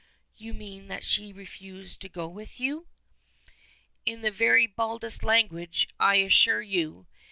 "You mean that she refused to go with you?" "In the very baldest language, I assure you.